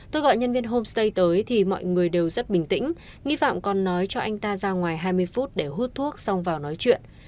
tôi gọi nhân viên homestay tới thì mọi người đều rất bình tĩnh nghi phạm còn nói cho anh ta ra ngoài hai mươi phút để hút thuốc xong vào nói chuyện